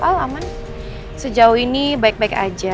pak aman sejauh ini baik baik aja